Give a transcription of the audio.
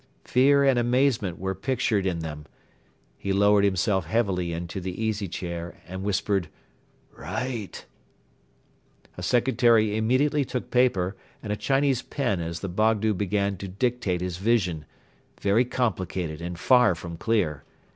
Fear and amazement were pictured in them. He lowered himself heavily into the easy chair and whispered: "Write!" A secretary immediately took paper and a Chinese pen as the Bogdo began to dictate his vision, very complicated and far from clear.